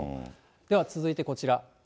では続いてこちら。